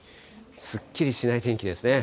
すっきりしない天気ですね。